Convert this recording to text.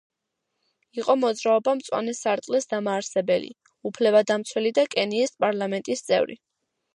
იყო მოძრაობა მწვანე სარტყლის დამაარსებელი, უფლებადამცველი და კენიის პარლამენტის წევრი.